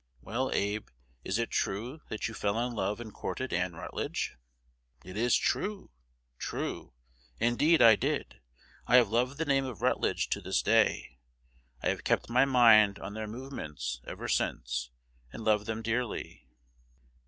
"'Well, Abe, is it true that you fell in love and courted Ann Rutledge?' "'It is true, true: indeed I did. I have loved the name of Rutledge to this day. I have kept my mind on their movements ever since, and love them dearly.'